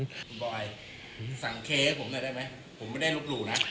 คุณบ่อยสั่งเค้กับผมได้ไหมผมไม่ได้ลุกหลู่นะ